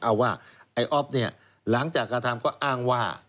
เอาว่าไอ้ออฟหลังจากการทำก็อ้างว่า